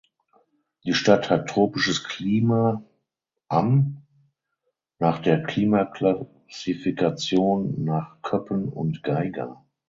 Die Stadt hat tropisches Klima (Am) nach der Klimaklassifikation nach Köppen und Geiger.